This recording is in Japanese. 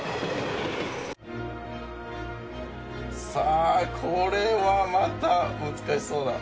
さあこれはまた難しそうだ。